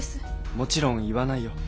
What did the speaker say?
もちろん言わないよ。